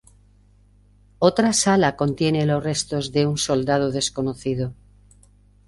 Otra sala contiene los restos de un soldado desconocido.